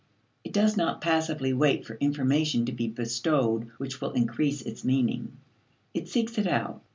It does not passively wait for information to be bestowed which will increase its meaning; it seeks it out.